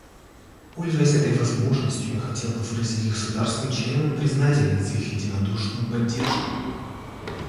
Пользуясь этой возможностью, я хотел бы выразить государствам-членам признательность за их единодушную поддержку.